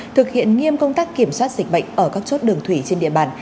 thực hiện nghiêm công tác kiểm soát dịch bệnh ở các chốt đường thủy trên địa bàn